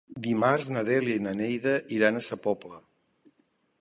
Dimarts na Dèlia i na Neida iran a Sa Pobla.